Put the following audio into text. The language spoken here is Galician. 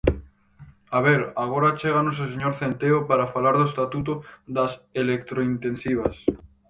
¡A ver!, agora chéganos o señor Centeo para falar do estatuto das electrointensivas.